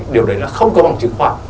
điều đấy là không có bằng chứng khoản